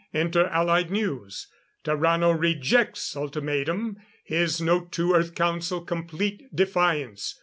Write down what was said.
Inter Allied News: Tarrano rejects Ultimatum. His note to Earth Council complete defiance.